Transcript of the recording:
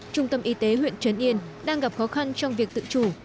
trung tâm y tế huyện trấn yên đang gặp khó khăn trong việc tự chủ